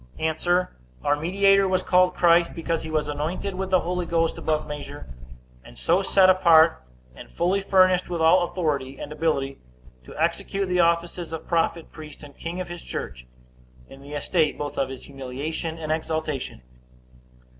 A. Our mediator was called Christ, because he was anointed with the Holy Ghost above measure; and so set apart, and fully furnished with all authority and ability, to execute the offices of prophet, priest, and king of his church, in the estate both of his humiliation and exaltation.